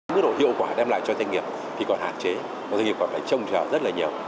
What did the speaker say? nếu đổ hiệu quả đem lại cho doanh nghiệp thì còn hạn chế doanh nghiệp còn phải trông trở rất nhiều